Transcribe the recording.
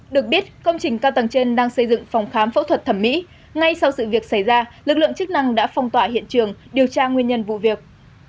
được biết công trình cao tầng trên đang xây dựng phòng khám phẫu thuật thẩm mỹ ngay sau sự việc xảy ra lực lượng chức năng đã phong tỏa hiện trường điều tra nguyên nhân vụ việc